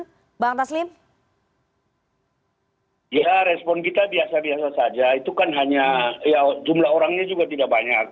hai bang taslim oh ya respon kita biasa biasa saja itu kan hanya ya jumlah orangnya juga tidak banyak